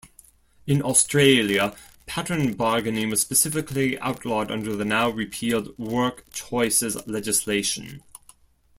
In Australia, pattern bargaining was specifically outlawed under the now-repealed WorkChoices legislation.